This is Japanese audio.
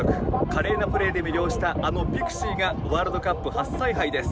華麗なプレーで魅了したあのピクシーがワールドカップ初采配です。